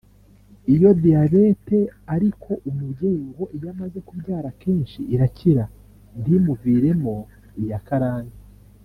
Iyo diyabete ariko umubyeyi ngo iyo amaze kubyara akenshi irakira ntimuviremo iya karande